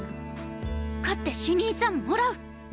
勝って主任さんもらう！